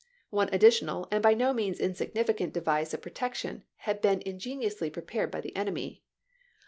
One additional and by no means insignificant device of protection had been ingeni ously prepared by the enemy.